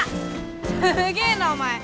すげーなお前！